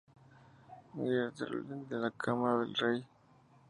Gentilhombre de la Cámara del rey.